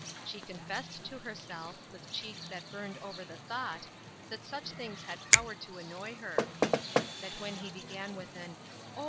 She confessed to herself, with cheeks that burned over the thought, that such things had power to annoy her ; that when he began with an, " Oh